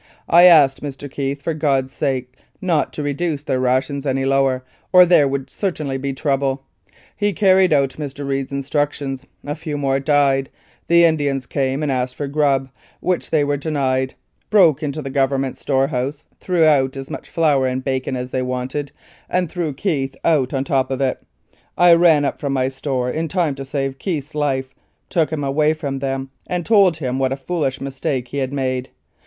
I asked Mr. Keith for God's sake not to reduce their rations any lower, or there would certainly be trouble. He carried out Mr. Reed's instructions, a few more died, the Indians came and asked for grub, which they were denied, broke into the Government store house, threw out as much flour and bacon as they wanted, and threw Keith out on the top of it. I ran up from my store in time to save Keith's life, took him away from them, and told him what a foolish mistake he had made.